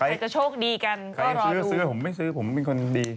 ใครจะอยู่ซื้อชื่อผมไม่ซื้อผมเป็นคนดี